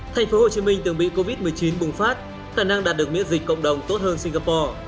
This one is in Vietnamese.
thành phố hồ chí minh từng bị covid một mươi chín bùng phát khả năng đạt được miễn dịch cộng đồng tốt hơn singapore